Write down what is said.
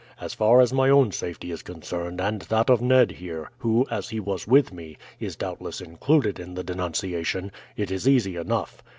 As far as my own safety is concerned, and that of Ned here, who, as he was with me, is doubtless included in the denunciation, it is easy enough.